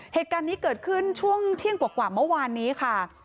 เหตุการณ์นี้เกิดขึ้นช่วงเที่ยงกว่าเมื่อวานนี้ค่ะ